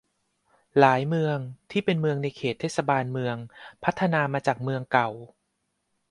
หลายเมืองที่เป็นเมืองในเขตเทศบาลเมืองพัฒนามาจากเมืองเก่า